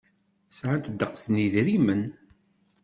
Sɛant ddeqs n yedrimen.